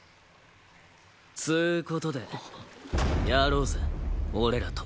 っつう事でやろうぜ俺らと。